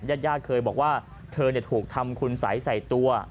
ญาติญาติเคยบอกว่าเธอถูกทำคุณสัยใส่ตัว